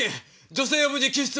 女性を無事救出！